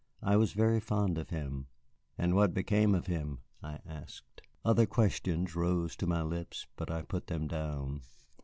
I was very fond of him." "And what became of him?" I asked. Other questions rose to my lips, but I put them down.